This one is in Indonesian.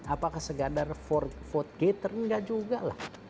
apakah sekadar vote gator enggak juga lah